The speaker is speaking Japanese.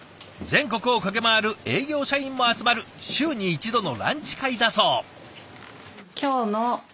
全国を駆け回る営業社員も集まる週に一度のランチ会だそう。